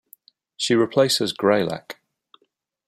She replaces Greylek.